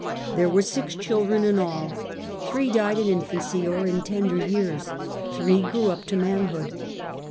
There were six children in all. Three died in infancy or in tender years. Three grew up to manhood.